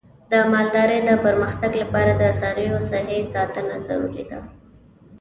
د مالدارۍ د پرمختګ لپاره د څارویو صحي ساتنه ضروري ده.